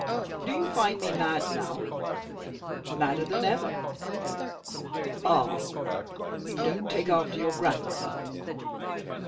Do you find me mad now?" "Madder than ever!" "Ah, you don't take after your grandmother!